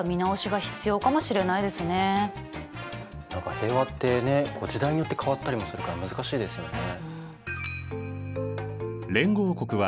何か平和ってね時代によって変わったりもするから難しいですよね。